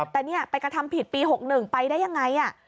แต่นี่ไปกระทำผิดปี๖๑ไปได้ยังไง